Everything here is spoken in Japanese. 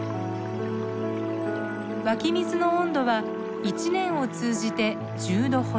湧水の温度は一年を通じて１０度ほど。